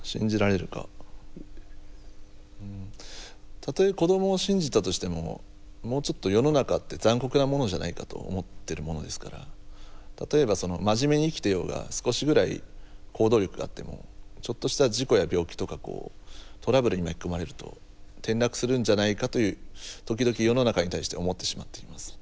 たとえ子どもを信じたとしてももうちょっと例えば真面目に生きてようが少しぐらい行動力があってもちょっとした事故や病気とかこうトラブルに巻き込まれると転落するんじゃないかという時々世の中に対して思ってしまっています。